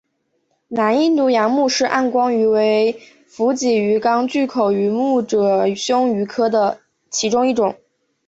南印度洋穆氏暗光鱼为辐鳍鱼纲巨口鱼目褶胸鱼科的其中一种。